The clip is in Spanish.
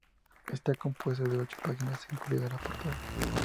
Está compuesto de ocho páginas incluida la portada.